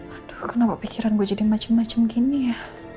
aduh kenapa pikiran gue jadi macem macem gini ya